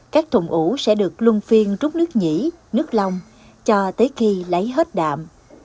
các thùng ủ sẽ được lung phiên rút nước nhỉ nước long cho tới khi lấy hết đạm